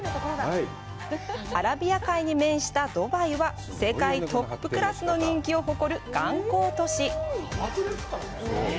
アラビア海に面したドバイは世界トップクラスの人気を誇る観光都市。